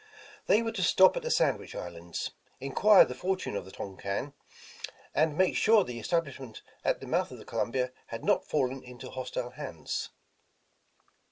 They were to stop at the Sandwich Islands, enquire the fortune of the Tonquin, and make sure the estab lishment at the mouth of the Columbia had not fallen into hostile hands.